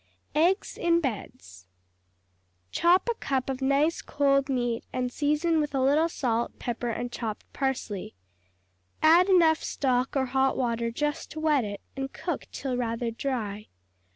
Eggs in Beds Chop a cup of nice cold meat, and season with a little salt, pepper and chopped parsley. Add enough stock or hot water just to wet it, and cook till rather dry.